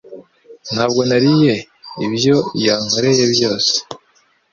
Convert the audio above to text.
Ntabwo nariye ibyo yankoreye byose.